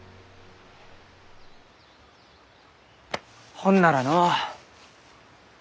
ほんならのう。